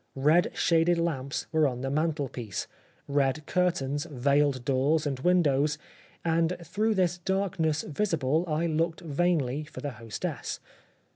Red shaded lamps were on the mantelpiece, red curtains, veiled doors and windows ; and through this darkness visible I looked vainly for the hostess.